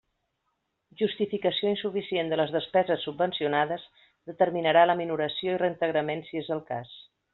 Justificació insuficient de les despeses subvencionades determinarà la minoració i reintegrament, si és el cas.